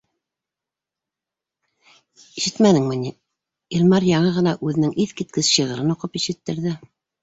Ишетмәнеңме ни, Илмар яңы ғына үҙенең иҫ киткес шиғырын уҡып ишеттерҙе.